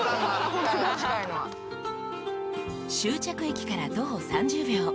［終着駅から徒歩３０秒］